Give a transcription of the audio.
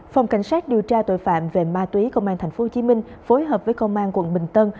phòng cảnh sát điều tra tội phạm về ma túy công an tp hcm phối hợp với công an quận bình tân